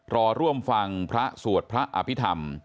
รอร่วมฟังพระสวดพระอภิษฐรรม